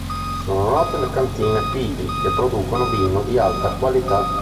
Sono note le cantine Pili che producono vino di alta qualità.